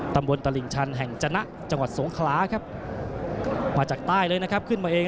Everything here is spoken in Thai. ตำบลตลิ่งชันแห่งจนะจังหวัดสงขลาครับมาจากใต้เลยนะครับขึ้นมาเอง